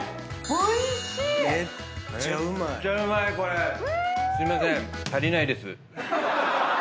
おいしい！